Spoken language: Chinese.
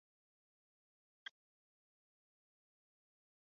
弗于斯克是挪威诺尔兰郡的一个自治市。